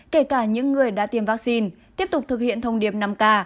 kể cả những người đã tiêm vaccine tiếp tục thực hiện thông điệp năm k